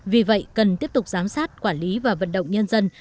vì vậy cần tiếp tục giám sát quản lý và vận động nhân dân